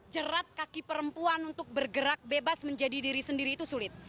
jerat kaki perempuan untuk bergerak bebas menjadi diri sendiri itu sulit